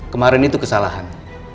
kemarin itu kesalahan